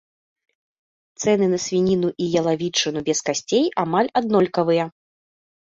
Цэны на свініну і ялавічыну без касцей амаль аднолькавыя.